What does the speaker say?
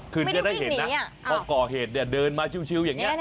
คือได้เห็นนะเพราะก่อเหตุเดินมาชิวอย่างนี้